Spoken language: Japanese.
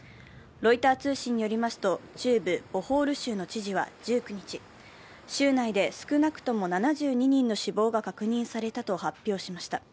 ロイター通信によりますと中部ボホール州の知事は１９日州内で、少なくとも７２人の死亡が確認されたと発表しました。